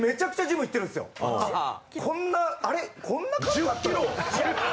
こんなあれっ？